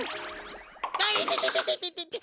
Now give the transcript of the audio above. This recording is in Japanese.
あっいててててててて。